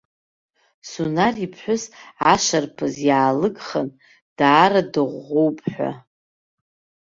Сунар иԥҳәыс ашарԥаз иаалыгхан даара дыӷәӷәоуп ҳәа.